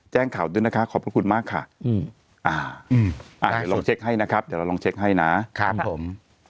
แจ้งข่าวด้วยนะคะขอบพระคุณมากค่ะเดี๋ยวลองเช็คให้นะครับเดี๋ยวเราลองเช็คให้นะครับผม